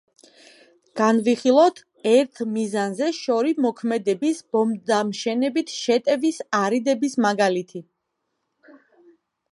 განვიხილოთ ერთი მიზანზე შორი მოქმედების ბომბდამშენებით შეტევის არიდების მაგალითი.